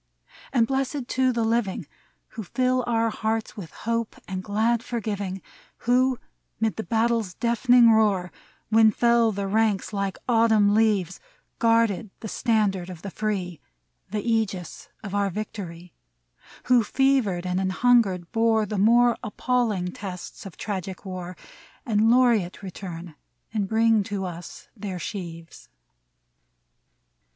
And blessed, too, the living, Who fill our hearts with hope and glad forgiving ; Who mid the battle's deaf'ning roar, When fell the ranks like autumn leaves, 1 66 MEMORIALODE Guarded the standard of the free, The aegis of our victory ; Who, fevered and anhungered, bore The more appalHng tests of tragic War, And laureate return, and bring to us their sheaves